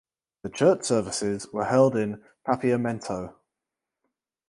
The church services were held in Papiamento.